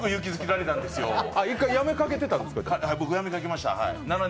１回、やめかけたんですか？